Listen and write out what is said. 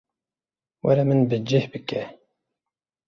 Were min bi cih bike.